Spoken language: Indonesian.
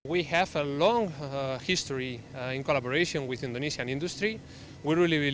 kita memiliki sejarah yang panjang dalam kolaborasi dengan industri indonesia